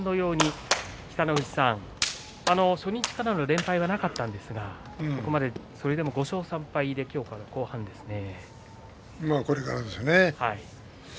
北の富士さん、初日からの連敗はなかったんですがここまでそれでも５勝３敗まあこれからですよね。